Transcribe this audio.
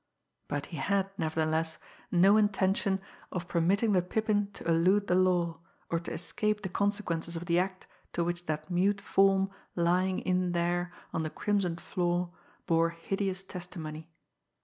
But he had, nevertheless, no intention of permitting the Pippin to elude the law, or to escape the consequences of the act to which that mute form lying in there on the crimsoned floor bore hideous testimony.